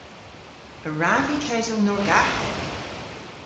A wrav vy kewsel Norgaghek?